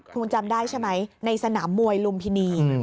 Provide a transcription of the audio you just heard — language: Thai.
คุณจำได้ใช่ไหมในสนามมวยลุมพินี